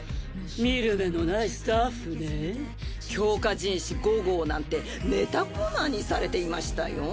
見る目のないスタッフねぇ強化人士５号なんてネタコーナーにされていましたよ